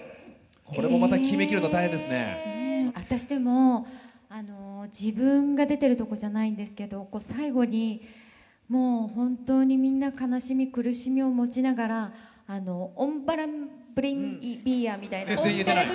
私でもあの自分が出てるとこじゃないんですけど最後にもう本当にみんな悲しみ苦しみを持ちながらオンバランブリンビーヤみたいな。